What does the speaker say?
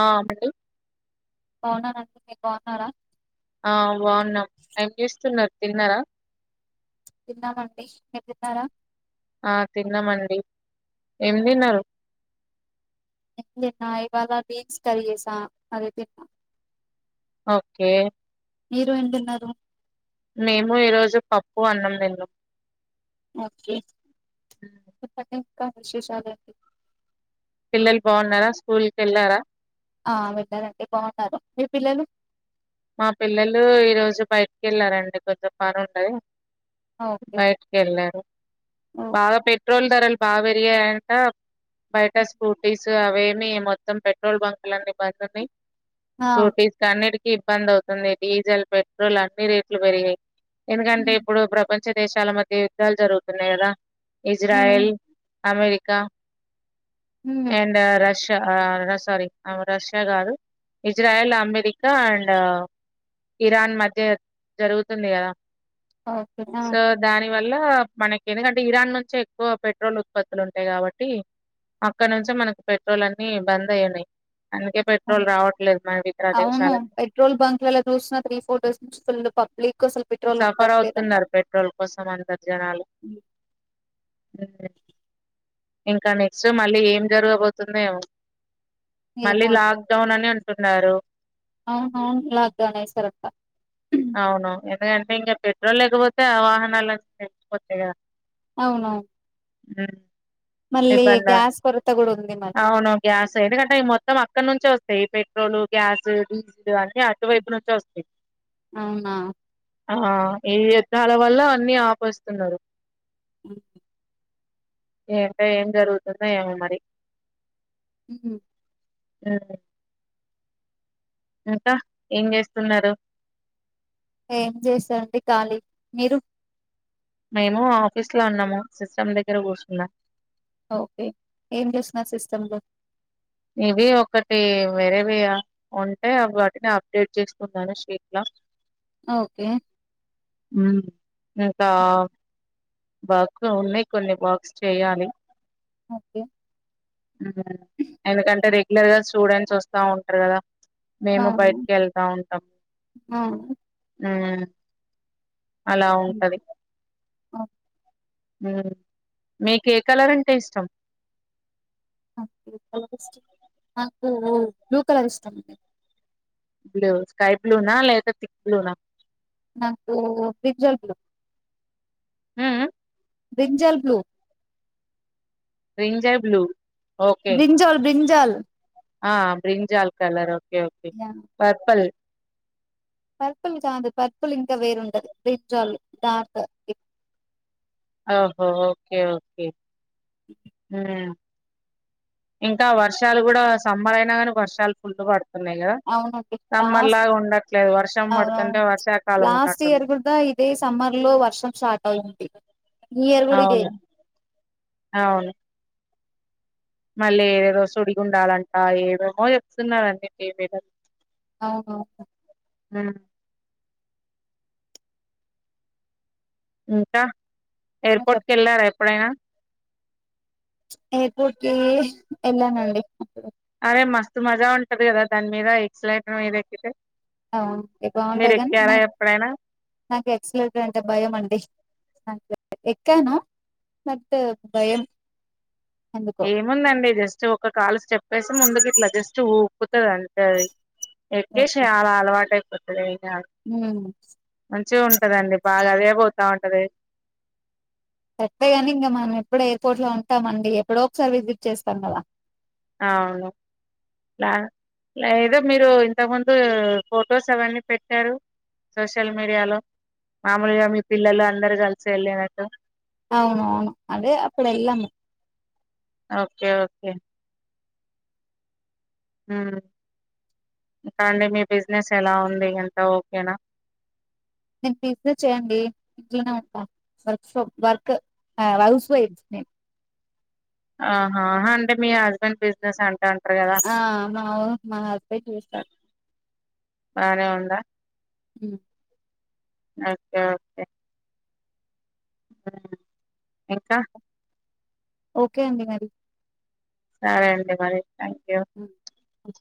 ఆ పెట్టు బాన్నానండి మీరు బాన్నారా ఆ బాన్నాం ఏం చేస్తున్నారు తిన్నర తిన్నామండి మీరు తిన్నర ఆ తిన్నమండి ఏం దిన్నరు ఏం తిన్న ఇవాళ బీన్స్ కర్రీ చేశా అదే తిన్నా ఒకే మీరు ఏం దిన్నరు మేము ఈరోజు పప్పు అన్నం దిన్నాం ఒకే ఇప్పటి ఇంకా విశేషాలు పిల్లలు బాన్నర స్కూల్కి వెళ్ళార ఆ వెళ్ళారండి బావున్నారు మీ పిల్లలు మా పిల్లలు ఈ రోజు బయటికి వెళ్ళారండి కొంచెం పన ఉంటె ఓకే బయటకి ఎళ్ళారు ఓ బాగా పెట్ పెట్రోల్ ధరలు బా పెరిగాయ అంట బయట ఉమ్. స్కూటీస్ టీస్ అవేమి మొత్తం పెట్రోల్ బంక్లన్నీ బంద్ ఉన్నయ్ ఆ స్కూటీస్ ఆన్నిటికి ఇబ్బంద అవుతుంది డీజిల్ పెట్రోల్ అన్ని రేట్లు పెరిగినై ఎందుకంటే ఉమ్ ఇప్పుడు ప్రపంచ దేశాల మధ్య యుద్ధాలు జరుగుతున్నాయి కద ఉమ్ ఇజరాయిల్ అమెరికా ఉమ్ అండ్ రష్ ఆ సారీ రష్యా కాదు Israel America and um Iran మధ్య జరుగుతుంది కదా ఓకే ఆ సో దాని వల్ల మనకి ఎందుకంటే ఇరాన్ నుంచే ఎక్కువ పెట్రోల్ ఉత్పత్తులు ఉంటాయి కాబట్టి అక్కడ నుంచే మనకి పెట్రోల్ అన్ని బంద్ అయి ఉన్నాయి అందుకే పెట్రోల్ ఉమ్. రావట్లేదు మన ఇతర అవును దేశాలకు పెట్రోల్ బంక్లలా చూసిన త్రీ ఫోర్ డేస్ నుంచి ఫుల్ పబ్లిక్ అసలు పెట్రోల్ సఫర్ ఉండట్లేదంట అవుతున్నారు పెట్రోల్ కోసం అందరు జనాలు ఉమ్. ఇంకా నెక్స్ట్ మళ్ళీ ఏం జరగబోతుందో ఏమో మళ్ళీ లాక్ డౌన్ అని అంట్ న్నారు అవును అవును లాక్ డౌవ్న్ ఏస్తరంట అవును ఎందుకంటే ఇంకా పెట్రోల్ లేకపోతే ఆ వాహనాలు తెచ్చిపోతాయి కదా అవును ఉమ్ ఇబ్బంది కొరత కూడా ఉంది మళ్ళీ అవును గ్యాస్ ఎందుకంటే ఈ మొత్తం అక్కడ నుంచి వస్తుంది ఈ పెట్రోల్ గ్యాస్ డీజిల్ అన్ని అటువైపు నుంచి వస్తాయి అవునా ఆ ఈ యుద్ధాల వల్ల అన్ని ఆపేస్తున్నారు ఉమ్ ఏ ఎం కా జరుగుతుందో ఎమో మరి ఉమ్ ఉమ్ ఇంకా ఏం చేస్తున్నారు ఏం చేస్తండి ఖాళీ మీరు మేము ఆఫీస్ లో ఉన్నాము సిస్టమ్ దగ్గర కూర్చున్నాం ఓకే ఏం చేస్తున్నారు సిస్టమ్ లో ఇవి ఒకటి వేరేవి ఉంటే వాటిని అప్డేట్ చేసుకున్నాను షీట్ల ఓకే ఉమ్ ఇంకా బాక్ ఉన్నాయి కొన్ని బాక్స్ చేయాలి ఓకే ఉమ్ ఎందుకంటే రెగ్యులర్ గా స్టూడెంట్స్ వస్తా ఉంటారు కదా మేము అవును బయటికి వెళ్తా ఉంటాము అవును ఉమ్ అలా ఉంటది ఉమ్ మీకు ఏ కలర్ అంటే ఇష్టం నాకు బ్లూ కలర్ ఇష్ట అండి బ్లూ స్కా బ్లూ న లేపోతే థిక్ బ్లూ న నాకు బ్రింజల్ బ్లూ హ్మ్మ్ హ్మ్ brinjal blue brinjal blue okay brinjal బ్రిన్జ్ Jal ఆ brinjal colour yeah purple purple కాదు పర్పుల్ ఇంకా వేరుంటది బ్రింజల్ డార్క్ ఓహో ఒకే ఒకే మ్మ్ ఇంకా వర్షాలు కూడా సమ్మర్ అయినా కానీ వర్షాలు ఫుల్లు పడు అవునండి లాస్ట్ ఉండట్లేదు వర్షం అవునను పడుతుంటే వర్షాకాలం లాస్ట్ ఉన్నట్టుంది ఇయర్ కూడ ఇదే సమ్మర్ లో వర్షం స్టార్ట్ అయింది ఈ ఇయర్ కూడా ఇదే అవును అవును మళ్ళీ ఏదేదో సుడి గుండాలంట ఏవేమో చెప్తున్నండి ఏమి అవును మ్ ఇంకా ఎర్పోర్ట్ కెళ్లార ప్పుడేనా ఏర్పోట్కి ఎల్లానండి అరే మస్తు మజా ఉంటది కదా దాని మీద ఎక్సలైటర్ మీద ఎక్కితే అవు ఎ మీరు బాగుంటది కానీ నా ఎక్కారా ఎప్పుడైనా నాకు ఎక్సలేటర్ అంటే భయం అండి ఎక్కనా మట్ భయం ఎందుకో ఏముందండి జస్ట్ ఒక కాలు స్టెప్పేసి ముందుకు ఇట్లా జస్ట్ ఊ కుత్తద అండి అది ఎక్కెసి అలా అలవాటైపో [unintelligible] మ్ చ్చు ఉంటదండి బాగా అదే పోతా ఉంటది పెట్టేగాని ఇంకా మనం ఎప్పడు ఎయిర్పోర్ట్ లో ఉంటామండి ఎప్పుడో ఒకసారి విజిట్ చేస్తాం కదా అవును రా లేదు మీరు ఇంత ముందు ఫొటోస్ అవన్నీ పెట్టారు సోషల్ మీడియాలో మామూలుగా మీ పిల్లలు అందరూ కలిసి వెళ్ళినట్టు అవును అవును అదే అప్పుడు ఏళ్ళాము ఓకే. ఓకే. ఊ ఇంకా అండి మీ బిజినెస్ ఎలా ఉంది అంతా ఓకేనా నేను ఫ్రిఫర్ చేయండి ఇంట్లోనే ఉంటా వర్క్ ఆ హౌస్ వైఫ్ నేను అవునా అంటే మీ హస్బండ్ బిజనెస్ అన్ ఆ మవో మా హస్బెండ్ చూస్తాడు బానే ఉందా ఉ ఓకే ఓకే ఎరుక ఓకే అండి మరి సరే అండి మరింకన్ అ అ